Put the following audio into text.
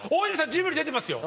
ジブリ出てますよ！